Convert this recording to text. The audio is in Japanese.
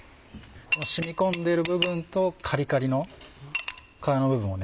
染み込んでいる部分とカリカリの皮の部分をね。